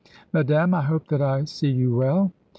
"Madam, I hope that I see you well."